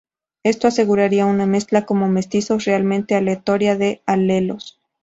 Esto aseguraría una mezcla como mestizos realmente aleatoria de alelos.